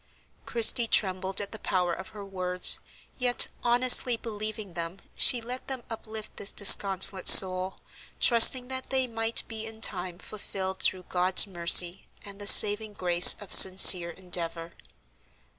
Christie trembled at the power of her words, yet, honestly believing them, she let them uplift this disconsolate soul, trusting that they might be in time fulfilled through God's mercy and the saving grace of sincere endeavor.